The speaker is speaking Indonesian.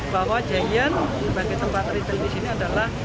bahwa giant sebagai tempat retail di sini adalah